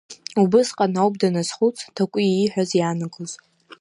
Убысҟан ауп даназхәыц Ҭакәи ииҳәаз иаанагоз.